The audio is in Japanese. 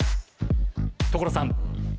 所さん！